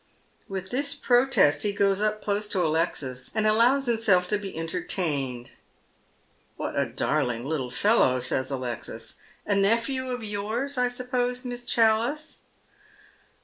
With this protest he goes close up to Alexis, and allows him self to be entertained. " What a dariing little fellow !" says Alexis. " A nephew of yours, I suppose. Miss Challice